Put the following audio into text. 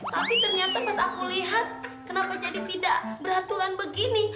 tapi ternyata pas aku lihat kenapa jadi tidak beraturan begini